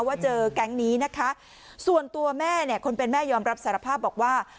ว่าเจอแก๊งนี้นะคะส่วนตัวแม่เนี่ยคนเป็นแม่ยอมรับสารภาพบอกว่า